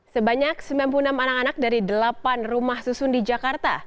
sebanyak sembilan puluh enam anak anak dari delapan rumah susun di jakarta